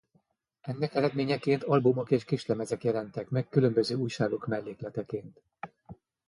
Ennek eredményeként albumok és kislemezek jelentek meg különböző újságok mellékleteként.